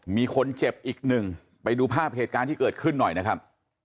มีคนเจ็บอีกหนึ่งไปดูภาพเหตุการณ์ที่เกิดขึ้นหน่อยนะครับ